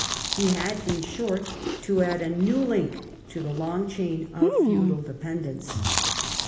He had, in short, to add a new link to the long chain of feudal dependence.